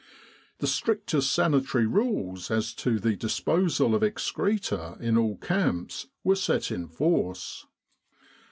The strictest sanitary rules as to the dis posal of excreta in all camps were set in force.